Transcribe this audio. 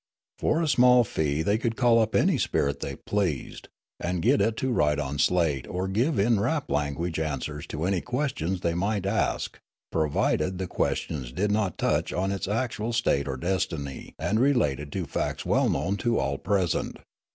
For a small fee they could call up any spirit Spectralia 345 they pleased, and get it to write on slates or giv^e in rap language answers to an}^ questions they might ask, provided the questions did not touch on its actual state or destiny and related to facts well known to all pre sent.